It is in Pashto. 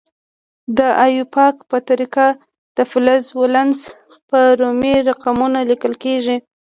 د ایوپاک په طریقه د فلز ولانس په رومي رقمونو لیکل کیږي.